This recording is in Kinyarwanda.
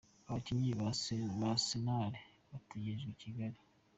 Abakinnyi ba Arsenal bategerejwe i Kigali.